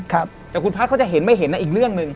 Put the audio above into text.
แต่คุณพัฒน์เขาจะเห็นไม่เห็นนะอีกเรื่องหนึ่ง